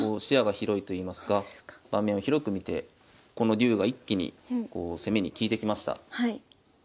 視野が広いといいますか盤面を広く見てこの竜が一気にこう攻めに利いてきました。